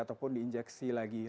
ataupun diinjeksi lagi